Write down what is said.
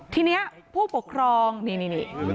ทีนี้ผู้ปกครองนี่นี่นี่